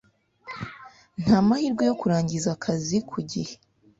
Nta mahirwe yo kurangiza akazi ku gihe.